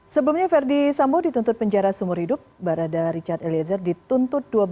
sebelumnya verdi sambo dituntut penjara sumur hidup barada richard eliezer dituntut